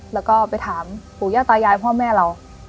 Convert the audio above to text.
แล้วก็ไปถามปู่ย่าตายายพ่อแม่เรา